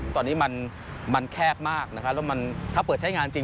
ตอนนี้มันแคบมากถ้าเปิดใช้งานจริง